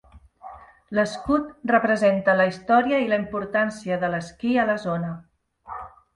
L'escut representa la història i la importància de l'esquí a la zona.